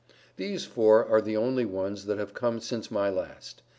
These four are the only ones that have come since my last.